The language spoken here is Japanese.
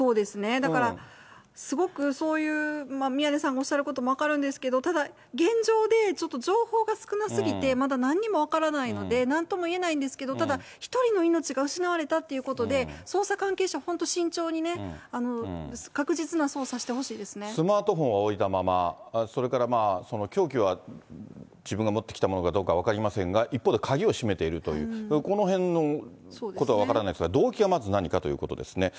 だから、すごくそういう、宮根さんがおっしゃることも分かるんですけど、ただ、現状でちょっと情報が少なすぎて、まだなんにも分からないので、なんとも言えないんですけど、ただ１人の命が失われたってことで、捜査関係者、本当慎重にね、スマートフォンは置いたまま、それから凶器は自分が持ってきたものかどうか分かりませんが、一方で、鍵を閉めているという、このへんのことは分からないですが、動機が、まず何かということですね。